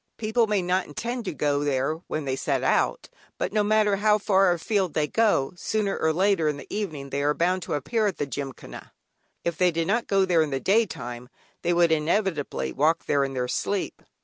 People may not intend to go there when they set out, but no matter how far afield they go, sooner or later in the evening they are bound to appear at the Gymkhana. If they did not go there in the daytime they would inevitably walk there in their sleep.